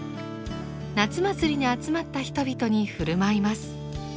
夏祭りに集まった人々に振る舞います。